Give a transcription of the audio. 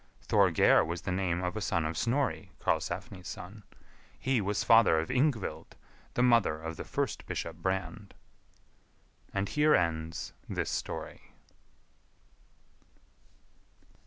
Thorgeir was the name of a son of Snorri, Karlsefni's son; he was father of Yngvild, the mother of the first Bishop Brand. And here ends this story.